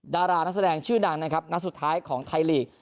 ดารานักแสดงชื่อดังนะครับนัดสุดท้ายของไทยลีก